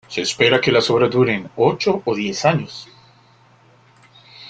Se espera que las obras duren ocho o diez años.